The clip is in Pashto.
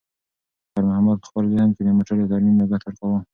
خیر محمد په خپل ذهن کې د موټر د ترمیم لګښت ورکاوه.